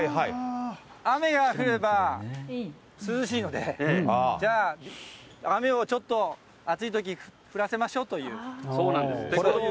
雨が降れば、涼しいので、じゃあ、雨をちょっと暑いとき、降らせましょうという、そうなんですって。